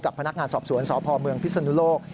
กับพนักงานสอบสวนสพพิษณุโลก